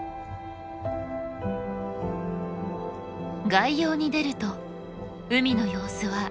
外洋に出ると海の様子は一変します。